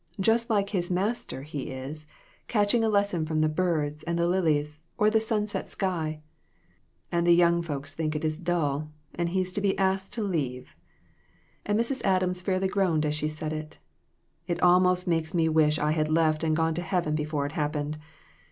Just like his Master he is, catching a lesson from the birds and the lilies, or the sunset sky ! And the young folks think it's dull, and he is to be asked to leave !" And Mrs. Adams fairly groaned as she said it. " It almost makes me wish I had left and gone to heaven before it happened.